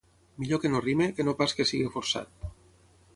Millor que no rimi, que no pas que sigui forçat .